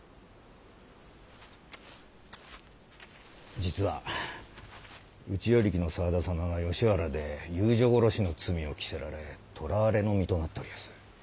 実は内与力の沢田様が吉原で遊女殺しの罪を着せられ捕らわれの身となっておりやす。